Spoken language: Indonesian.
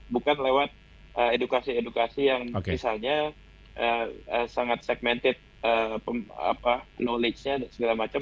bukan lewat edukasi edukasi yang misalnya sangat segmented knowledge nya dan segala macam